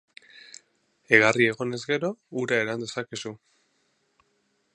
Egarri egonez gero, ura edan dezakezu.